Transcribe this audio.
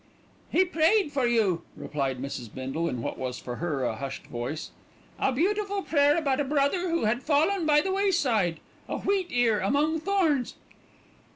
"He prayed for you," replied Mrs. Bindle in what was for her a hushed voice; "a beautiful prayer about a brother who had fallen by the wayside, a wheat ear among thorns."